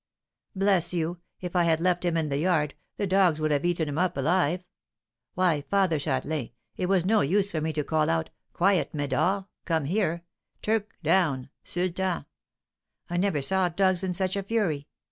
"Bless you, if I had left him in the yard, the dogs would have eaten him up alive! Why, Father Châtelain, it was no use for me to call out 'Quiet, Médor! come here, Turk! down, Sultan!' I never saw dogs in such a fury.